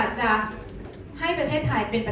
อ๋อแต่มีอีกอย่างนึงค่ะ